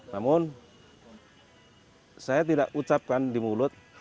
namun saya tidak ucapkan di mulut